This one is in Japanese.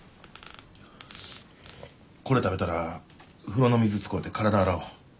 これ食べたら風呂の水使うて体洗お。